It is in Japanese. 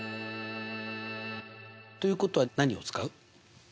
ということは何を使う？